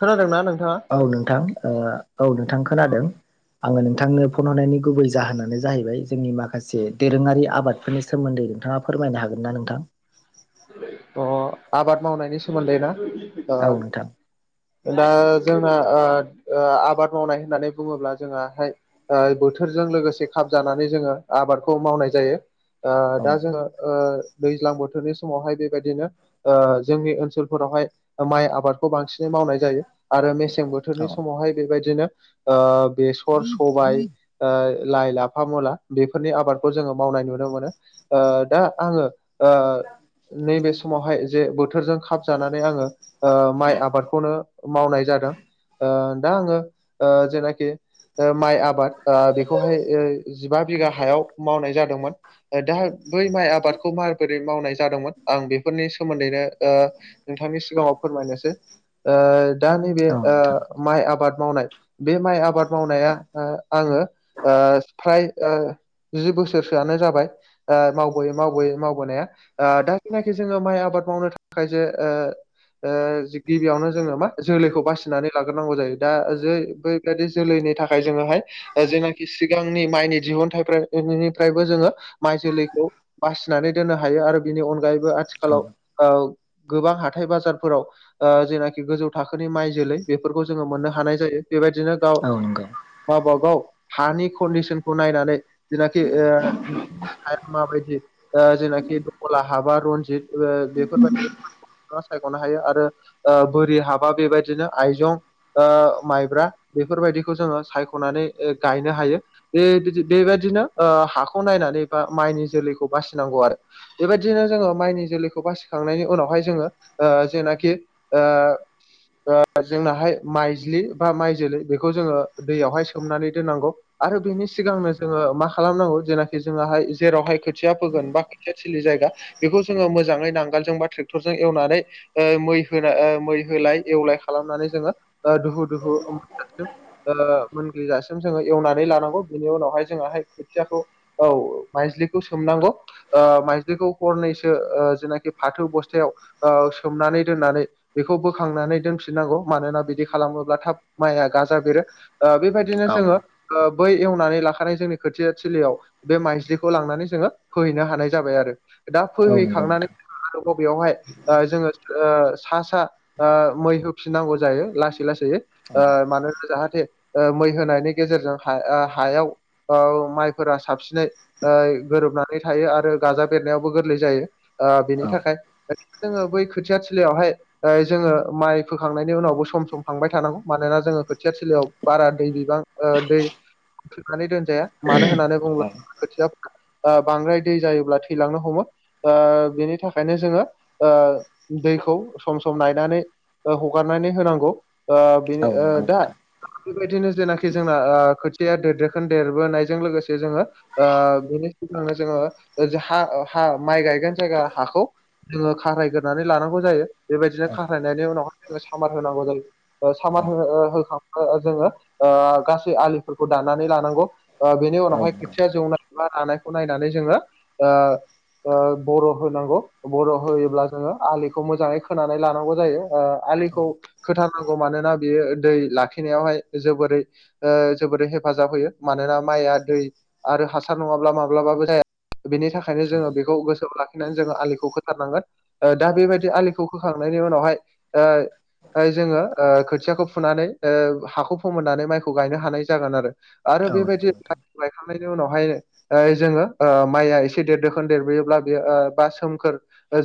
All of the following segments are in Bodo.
खोनादोंना नोंथाङा औ नोंथां औ नोंथां खोनादों आङो नोंथांनो फन हरनायनि गुबै जाहोनानो जाहैबाय जोंनि माखासे दोरोङारि आबाद बेफोरनि सोमोन्दै नोंथाङा फोरमायनो हागोन ना नोंथां अ आबाद मावनायनि सोमोन्दै ना औ नोंथां दा बोथोरजों लोगोसे खाब जानानै जोङो आबादखौ मावनाय जायो औ दा जोङो दैज्लां बोथोरनि समावहाय बेबायदिनो जोंनि ओनसोलफोरावहाय माइ आबादखौ बांसिनै मावनाय जायो आरो मेसें बोथोर औ बोथोरनि समावहाय बेबायदिनो बेसर सबायाइ लाइ लाफा मुला बेफोरनि आबादखौ जोङो मावनाय नुनो मोनो ओ दा आङो नैबे समावहाय जे बोथोरजों खाब जानानै आङो माइ आबादखौनो मावनाय जादों दा आङो जेनाखि माइ आबाद बेखौहाय जिबा बिगा हायाव मावनाय जादोंमोन दा बै माइ आबादखौ माबोरै मावनाय जादोंमोन आं बेफोरनि सोमोन्दैनो नोंथांनि सिगाङाव फोरमायनोसै दा नैबे औ नोंथां माइ आबाद मावनाय बे माइ आबाद मावनाया आङो फ्राय जि बोसोरसोआनो जाबाय मावबोयै मावबोयै मावबोनाया द जनाखि जोङो माइ आबाद मावनो थाखाय जे गिबियावनो जोङो मा जोलैखौ बासिनानै लाग्रोनांगौ जों जायो दा जे बै बेदि जोलैनि थाखाय जोङोहाय जेनाखि सिगांनि माइनि दिहुनथाइनिफ्रायबो जोङो माइ जोलैखौ बासिनानै दोननो हायो आरो बिनि अनगायैबो औ आथिखालाव गोबां हाथाय बाजारफोराव जेनाखि गोजौ थाखोनि माइ जोलै बेफोरखौ जोङो मोननो हानाय जायो बेबायदिनो गाव औ नंगौ गावबागाव हानि कन्डसनखौ नायनानै जेनाखि हाया माबायदि जेनाखि दमला हाबा रनजित बेफोरबायदि सायख'नो हायो आरो ओ बोरि हाबा बेबायदिनो आइजं ओ माइब्रा बेफोरबायदिखौ जोङो सायख'नानै गायनो हायो। बे बिदि बे बायदिनो ओ हाखौ नायनानै बा माइनि जोलैखौ बासिनांगौ आरो। बेबायदिनो जोङो माइनि जोलैखौ बासिखांनायनि उनावहाय जोङो ओ जेनाखि ओ ओ जोंनाहाय माइज्लि बा माइ जोलै बेखौ जोङो दैयावहाय सोमनानै दोननांगौ। आरो बेनि सिगांनो जोङो मा खालामनांगौ जेनाखि जोंहाय जेरावहाय खोथिया फोगोन बा खोथिया थिलि जायगा बेखौ जोङो मोजाङै नांगोलजों बा ट्रेक्टरजों एवनानै मै होनाय मै होलाय एवलाय खालामनानै जोङो दुहु दुहु मोनगजासिम जोङो एवनानै लानांगौ बिनि उनावहाय जोंहाय खोथियाखौ औ माइजलिखौ सोमनांगौ माइज्लिखौ हरनैसो जेनाखि फाथो बस्थायाव सोमनानै दोननानै बेखौ बोखांनानै दोनफिननांगौ मानोना बिदि खालामोब्ला थाब माइआ गाजा बेरो बेबायदि औ सङो बै एवनानै लाखानाय जोंनि खोथिया थिलियाव बे माइजिखौ लांनानै जोङो फै नो हानाय जाबाय आरो दा औ नंगौ फैहैखांनानै नोंथां आरोबाव बेवहाय ओ जोङो ओ सा सा ओ मै होफिननांगौ जायो लासै लासैयै। ओ औ मानोना जाहाथे ओ मै होनायनि गेजेरजों हा-हायाव ओ माइफोरा साबसिनै ओ गोरोबनानै थायो आरो गाजा बेरनायावबो गोरलै जायो। ओ बेनि औ थाखाय [unintelligible] जोङो बै खोथिया थिलियावहाय ओ जोङो माइ फोखांनायनि उनावबो सम सम थांबाय थानांगौ मानोना जोङो खोथिया थिलियाव बारा दै बिबां ओ दै थेनानै दोनजाया मानो होननानै औ बुङोब्ला खोथिया ओ बांद्राय दै जायोब्ला थैलांनो हमो। ओ बेनि थाखायनो जोङो ओ दैखौ सम सम नायनानै हगारनानै होनांगौ ओ बेनि औ ओ नंगौ दा नोंथां बेबायदिनो जेनोखि जोंना ओ खोथिया देरदोखोन देरबोनायजों लोगोसे जोङो ओ बेनि सिगांनो जोङो हा हा माइ गायगोन जायगा हाखौ जोङो खारायग्रोनानै लानांगौ जायो बेबायदिनो औ खारायनायनि उनावहाय जोङो सामार होनांगौ जायो। सामार औ हो ओ होखांब्ला जोङो ओ गासै आलिफोरखौ दानानै लानांगौ। ओ बेनि औ उनावहाय नंगौ खोथिया जौनाय बा रानायखौ नायनानै जोङो ओ ओ बरन होनांगौ बरन होयोब्ला जोङो आलिखौ मोजाङै खोनानै लानांगौ जायो। ओ औ आलिखौ खोथारनांगौ मानोना बेयो दै लाखिनायावहाय जोबोरै ओ जोबोरै हेफाजाब होयो मानोना माइआ दै आरो हासार नङाब्ला मा- माब्लाबाबो जाया बेनि थाखायनो औ जोङो बेखौ गोसोआव लाखि। नानै जोङो आलिखौ खोथारनांगोन दा बेबायदि आलिखौ खोखांनायनि उनावहाय ओ जोङो ओ खोथियाखौ फुनानै ओ हाखौ फोमोननानै माइखौ गायनो हानाय जागोन आरो। आरो औ नंगौ बेबायदि नोंथां माइखौ गायखांनायनि उनावहायनो जोङो ओ माइआ एसे देरदोखोन देरबोयोब्ला बेयो ओ बा सोमखोर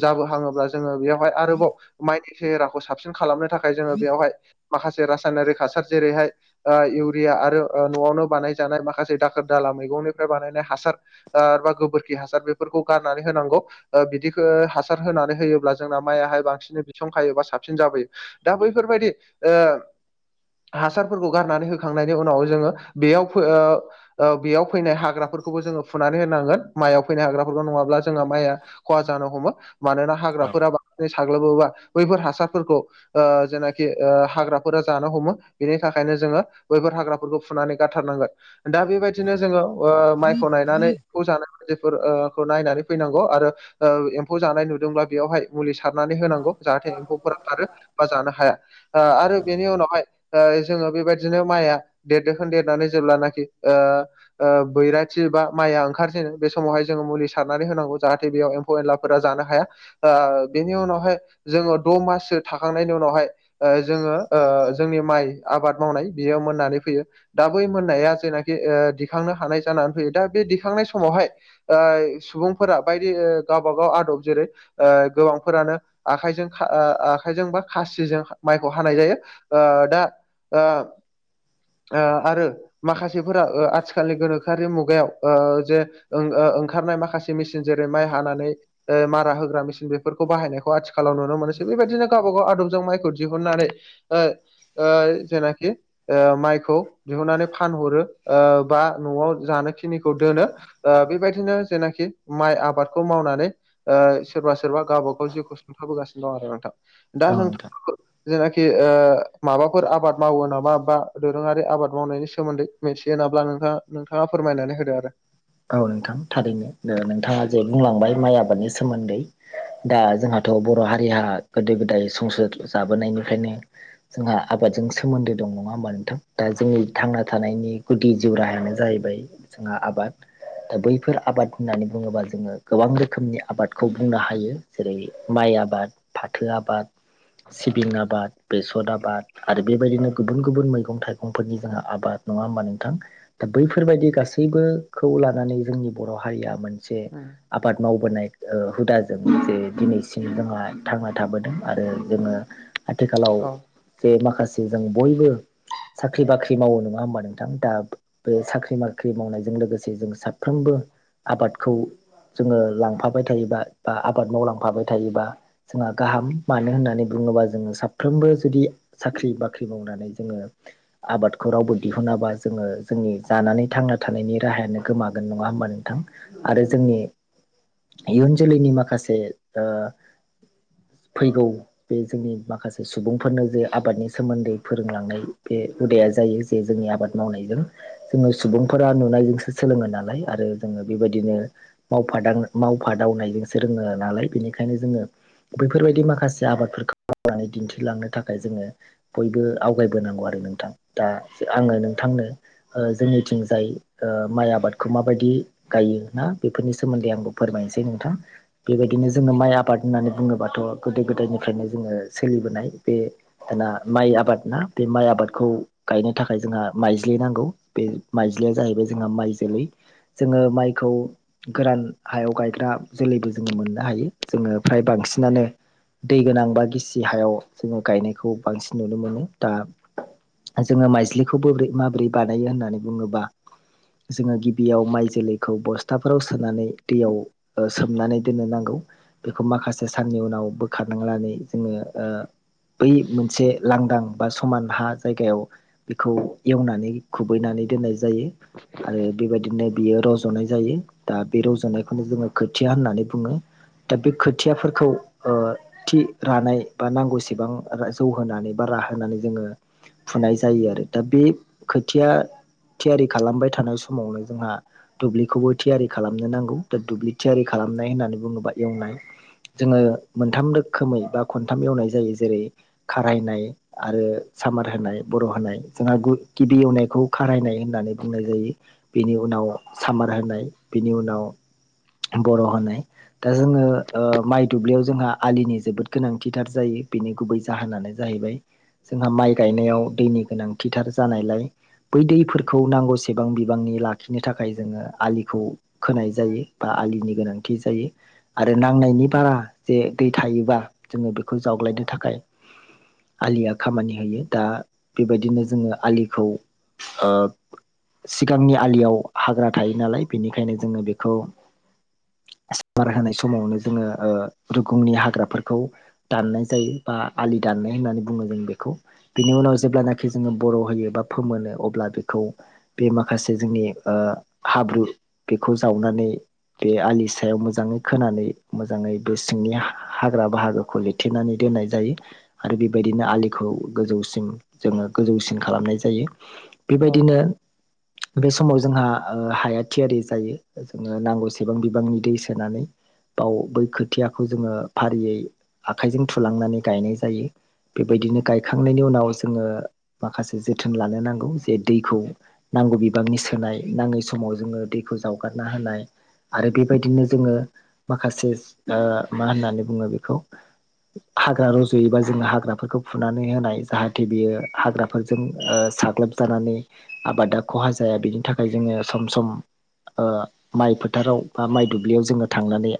जाबो हाङोब्ला जोङो बेवहाय आरोबाव माइनि सेहेराखौ साबसिन खालामनो थाखाय जोङो बेयावहाय माखासे रासायनारि हासार जेरैहाय ओ इउरिया आरो न'आवनो बानायजानाय माखासे दाखोर-दाला मैगंनिफ्राय बानायनाय हासार ओ बा गोबोरखि हासार बेफोरखौ गारनानै होनांगौ। बिदिखौ हासार होनानै होयोब्ला जोंना माइयाहाय बांसिनै बिसंखायो बा साबसिन जाबोयो। दा बैफोरबायदि ओ हासारफोरखौ गारनानै होखांनायनि उनाव जोङो बेयाव ओ ओ बेयाव फैनाय हाग्राफोर- खौबो जोङो फुनानै होनांगोन माइयाव फैनाय हाग्राफोरखौ नङाब्ला जोंना माइआ खहा जानो हमो। मानोना औ हाग्राफोरा बांसिन साग्लोबोबा बैफोर हासारफोरखौ ओ जेनाखि ओ हाग्राफोरा जानो हमो। बेनि थाखायनो जोङो बैफोर हाग्राफोरखौ फुनानै गारथारनांगोन। दा बेबायदिनो जोङो ओ माइ- गायनानै खौजानानै फोर ओ खौ नायनानै फैनांगौ आरो ओ एम्फौ जानाय नुदोंब्ला बेयावहाय मुलि सारनानै होनांगौ जाहाथे एम्फौफोरा खारो बा जानो हाया ओ आरो बेनि औ उनावहाय ओ जोङो बेबायदिनो माइया देरदोखोन देरनानै जेब्लानाखि ओ ओ बैरा थि बा माइआ ओंखारजेनो बे समावहाय जोङो मुलि सारनानै होनांगौ जाहाथे बेयाव एम्फौ एनलाफोरा जानो हाया ओ बेनि उनावहाय जोङो द' माससो थाखांनायनि उनावहाय ओ जोङो ओ जोंनि माइ आबाद मावनाय बियो मोननानै फैयो दा बै मोननाया जेनाखि ओ दिखांनो हानाय जानानै फैयो दा बे दिखांनाय समावहाय ओ सुबुंफोरा बायदि गावबा-गाव आदब जेरै ओ गोबांफोरानो आखाइजों ओ-आ-आखाइजों बा खासिजों माइखौ हानाय जायो। ओ दा ओ ओ आरो माखासेफोरा ओ आथिखालनि गोनोखो- गोनोखोआरि मुगायाव ओ जे ओं-ओंखारनाय माखासे मेसिन जेरै माइ हानानै ओ मारा होग्रा मेसिन बेफोरखौ बाहायनायखौ आथिखालाव नुनो मोनोसै बेबायदिनो गावबा-गाव आदबजों माइखौ दिहुननानै ओ ओ जेनाखि ओ माइखौ दिहुननानै फानहरो ओ बा न'आव जानोखिनिखौ दोनो ओ बेबायदिनो जेनाखि माइ आबादखौ मावनानै ओ सोरबा सोरबा गावबा गाव जिउखौ सुंथाबोगासिनो दं आरो नोंथां दा नोंथां जेनाखि ओ माबाफोर आबाद मावो नामा बा दोरोङारि आबाद मावनायनि सोमोन्दै मोनथि होनाब्ला नोंथाङा नोंथाङा फोरमायनानै होदो आरो औ नोंथां थारैनो ओ नोंथाङा जे बुंलांबाय माइ आबादनि सोमोन्दै दा जोंहाथ' बर' हारिया गोदो गोदाय संसार जाबोनायनिफ्रायनो जोंहा आबादजों सोमोन्दो दं नङा होमबा नोंथां दा जोंनि थांना थानायनि गुदि जिउ राहायानो जाहैबाय जोंहा आबाद ओ बैफोर आबाद होननानै बुङोबा जोङो गोबां रोखोमनि आबादखौ बुंनो हायो जेरै माइ आबाद फाथो आबाद, सिबिं आबाद, बेसर आबाद आरो बेबायदिनो गुबुन गुबुन मैगं थाइगंफोरनि जाहा आबाद नङा होमबा नोंथां दा बैफोरबायदि गासैबोखौ लानानै जोंनि बर' हारिया मोनसे आबाद मावबोनाय ओ हुदाजों जे दिनैसिम जोंहा थांना थाबोदों आरो जोङो आथिखालाव औ जे माखासे जों बयबो साख्रि बाख्रि मावो नङा होमबा नोंथां दा बे साख्रि बाख्रि मावनायजों लोगोसे से जों साफ्रोमबो आबादखौ जोङो लांफाबाय थायोबा बा आबाद मावलांफाबाय थायोबा जोंहा गाहाम मानो होननानै बुङोबा जोङो साफ्रोमबो जुदि साख्रि बाख्रि मावनानै जोङो आबादखौ रावबो दिहुनाबा जोङो जोंनि जानानै थांना थानायनि राहायानो गोमागोन नङा होमबा नोंथां आरो जोंनि इयुन जोलैनि माखासे ओ फैगौ बे जोंनि माखासे सुबुंफोरनो जे आबादनि सोमोन्दै फोरोंलांनाय बे हुदाया जायो जोंनि आबाद मावनायजों जोङो सुबुंफोरा नुनायजोंसो सोलोङो नालाय आरो जोङो बेबादिनो मावफा दां मावफादावनायजोंसो रोङो नालाय बेनिखायनो जोङो बेफोरबायदि माखासे आबादफोरखौ मावनानै दिन्थिलांनो थाखाय जोङो बयबो आवगायबोनांगौ आरो नोंथां दा आङो नोंथांनो ओ जोंनिथिंजाय ओ माइ आबादखौ माबायदि गायो ना बेफोरनि सोमोन्दै आंबो फोरमायनोसै नोंथां बेबायदिनो जोङो माइ आबाद होननानै बुङोबाथ' गोदो गोदायनिफ्रायनो जोङो सोलिबोनाय बे ना माइ आबाद ना बे माइ आबादखौ गायनो थाखाय जोंहा माइज्लि नांगौ बे माइज्लिया जाहैबाय जोंहा माइ जोलै जोङो माइखौ गोरान हायाव गायग्रा जोलैबो जोङो मोननो हायो जोङो फ्राय बांसिनानो दै गोनां बा गिसि हायाव जोङो गायनायखौ बांसिन नुनो मोनो। दा जोङो माइज्लिखौ बोबरै माबोरै बानायो होननानै बुङोबा जोङो गिबियाव माइ जोलैखौ बस्थाफोराव सोनानै दैयाव ओ सोमनानै दोननो नांगौ। बेखौ माखासे साननि उनाव बोखारनांनानै जोङो ओ बै मोनसे लांदां बा समान हा जायगायाव बेखौ एवनानै खुबैनानै दोननाय जायो। आरो बेबायदिनो बियो रज'नाय जायो दा बे रज'नायखौनो जोङो खोथिया होननानै बुङो दा बे खोथियाफोरखौ ओ थि रानाय बा नांगौसेबां जौ होनानै बा राहोनानै जोङो फुनाय जायो आरो दा बे खोथिया थियारि खालामबाय थानाय समावनो जोंहा दुब्लिखौबो थियारि खालामनो नांगौ बे दुब्लि थियारि खालामनाय होननानै बुङोबा एवनाय जोङो मोनथाम रोखोमै बा खनथाम एवनाय जायो जेरै खारायनाय आरो सामार होनाय बर होनाय जोंहा गि गिबि एवनायखौ खारायनाय होननानै बुंनाय जायो बिनि उनाव सामार होनाय बिनि उनाव बर' होनाय दा जोङो ओ माइ दुब्लियाव जोंहा आलिनि जोबोद गोनांथिथार जायो बेनि गुबै जाहोनानो जाहैबाय जोंहा माइ गायनायाव दैनि गोनांथिथार जानायलाय बै दैफोरखौ। नांगौ सेबां बिबांनि लाखिनो थाखाय जोङो आलिखौ खोनाय जायो बा आलिनि गोनांथि जायो। आरो नांनायनि बारा जे दै थायोबा जोङो बेखौ जावग्लायनो थाखाय आलिया खामानि होयो। दा बेबायदिनो जोङो आलिखौ ओ सिगांनि आलियाव हाग्रा थायो नालाय बेनिखायनो जोङो बेखौ सामार होनाय समावनो जोङो ओ रुगुंनि हाग्राफोरखौ दाननाय जायो बा आलि दाननाय होननानै बुङो जों बेखौ। बिनि उनाव जेब्लानाखि जोङो बर' होयो बा फोमोनो अब्ला बेखौ बे माखासे जोंनि ओ हाब्रु बेखौ जावनानै बे आलि सायाव मोजाङै खोनानै मोजाङै बे सिंनि हाग्रा बाहागोखौ लिर थेनानै दोननाय जायो। आरो बेबायदिनो आलिखौ गोजौसिम जोङो गोजौसिन खालामनाय जायो। औ बेबायदिनो बे समाव जोंहा आ हाया थियारि जायो। जोङो नांगौसेबां बिबांनि दै सोनानै बाव बै खोथियाखौ जोङो फारियै आखाइजों थुलांनानै गायनाय जायो। बेबायदिनो गायखांनायनि उनाव जोङो माखासे जोथोन लानो नांगौ जे दैखौ। नांगौ बिबांनि सोनाय नाङै समाव जोङो दैखौ जावगारना होनाय। आरो बेबायदिनो जोङो माखासे ओ मा होननानै बुङो बेखौ। हाग्रा रज'योबा जोङो हाग्राफोरखौ फुनानै होनाय जाहाथे बेयो हाग्राफोरजों ओ साग्लोब। जानानै आबादा खहा जाया बिनि थाखाय जोङो सम सम ओ माइ फोथाराव बा माइ दुब्लियाव जोङो थांनानै,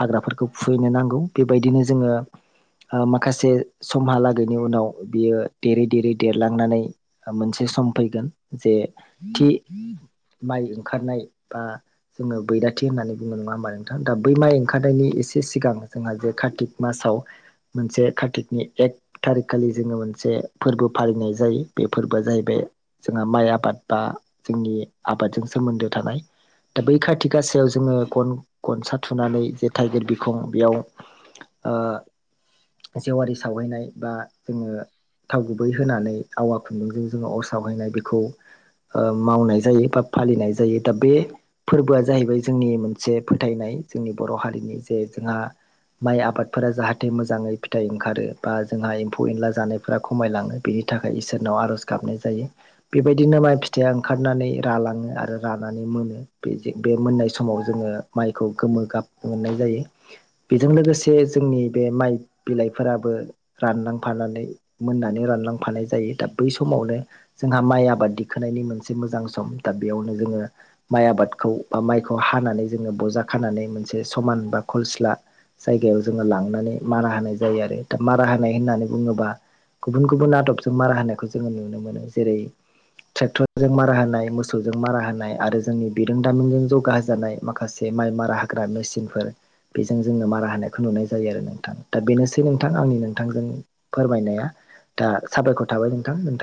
हाग्राफोरखौ फुहैनो नांगौ बेबायदिनो जोङो ओ माखासे समहालागैनि उनाव बियो देरै देरै देरलांनानै आ मोनसे सम फैगोन जे थि माइ ओंखारनाय बा जोङो बैराथि होननानै बुंङो नङा होमबा नोंथां दा बै माइ ओंखारनायनि एसे सिगां जोंहा जे कार्तिक मासाव मोनसे कार्तिकनि एक थारिखखालि जोङो मोनसे फोरबो फालिनाय जायो बे फोरबोआ जाहैबाय। जोंहा माइ आबाद बा जोंनि आबादजों सोमोन्दो थानाय। दा बै कार्थिग गासायाव जोङो गन गनसा थुनानै जे थाइगिर बिखं बेयाव। ओ जेवारि सावहैनाय बा जोङो। थाव गुबै होनानै आवा खुन्दुंजों जोङो अर सावहैनाय बेखौ। ओ मावनाय जायो बा फालिनाय जायो दा बे फोरबोआ जाहैबाय जोंनि मोनसे फोथायनाय जोंनि बर' हारिनि जे जोंहा। माइ आबादफोरा जाहाथे मोजाङै फिथाइ ओंखारो बा जोंहा एम्फौ एनला जानाय। फोरा खमायलाङो बिनि थाखाय इसोरनाव आर'ज गाबनाय। जायो बेबायदिनो माइ फिथाइया ओंखारनानै रालाङो आरो रानानै मोनो। बै जे बे मोननाय समाव जोङो माइखौ गोमो गाब मोननाय जायो। बेजों लोगोसे जोंनि बे माइ बिलाइफोराबो। रानलांफानानै मोननानै रानलांफानाय जायो दा बै समावनो जोंहा माइ आबाद दिखोनायनायनि मोनसे मोजां सम दा बेयावनो जोङो माइ आबाद खौ बा माइखौ हानानै जोङो बजा खानानै मोनसे समान बा खलस्ला जायगायाव जोङो लांनानै मारा होनाय जायो। आरो दा मारा होनाय होननानै बुङोबा गुबुन गुबुन आदबजों मारा होनायखौ जोङो नुनो मोनो जेरै ट्रेक्टरजों मारा होनाय मोसौजों मारा होनाय आरो जोंनि बिरोंदामिनजों जौगा होजानाय। माखासे माइ मारा हाग्रा मेसिनफोर बेजों जोङो मारा होनायखौ नुनाय जायो आरो नोंथां दा बेनोसै नोंथां आंनि नोंथांजों फोरमायनाया दा साबायखर थाबाय नोंथां नोंथां